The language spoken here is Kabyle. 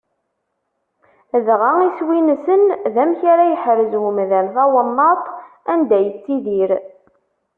Dɣa, iswi-nsen d amek ara yeḥrez umdan tawennaḍt anda yettidir.